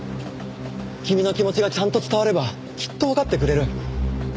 君の気持ちがちゃんと伝わればきっとわかってくれる。